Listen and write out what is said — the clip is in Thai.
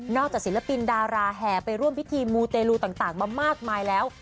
ศิลปินดาราแห่ไปร่วมพิธีมูเตลูต่างมามากมายแล้ว